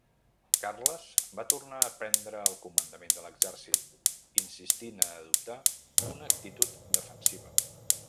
Carles va tornar a prendre el comandament de l'exèrcit, insistint a adoptar una actitud defensiva.